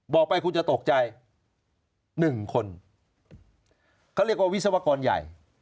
บอกไปคุณจะตกใจหนึ่งคนเขาเรียกว่าวิศวกรใหญ่